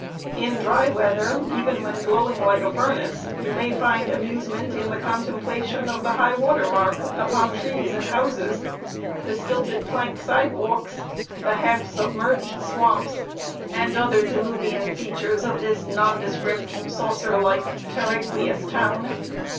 In dry weather, even when glowing like a furnace, you may find amusement in the contemplation of the high water mark upon trees and houses, the stilted plank sidewalks, the half submerged swamps, and other diluvian features of this nondescript, saucer like, terraqueous town.